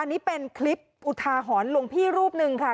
อันนี้เป็นคลิปอุทาหรณ์หลวงพี่รูปหนึ่งค่ะ